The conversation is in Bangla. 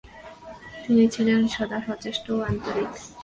তিনি ছিলেন সদা সচেষ্ট ও আন্তরিক।